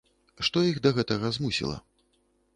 Што іх да гэтага змусіла?